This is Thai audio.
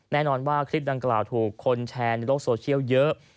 แน่นอนว่าคลิปดังกล่าวถูกคนแชร์ในโลกโซเชียลเยอะ